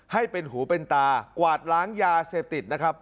ให้เป็นหูเป็นตากวาดล้างยาเสพติดนะครับ